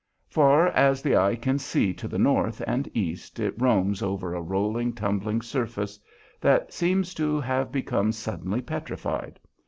Far as the eye can see to the north and east it roams over a rolling, tumbling surface that seems to have become suddenly petrified.